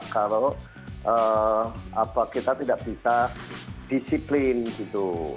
kalau kita tidak bisa disiplin gitu